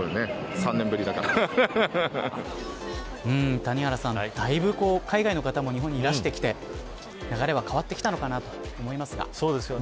谷原さん、だいぶ海外の方も日本にいらしてきて流れは変わってきたのかなとそうですよね。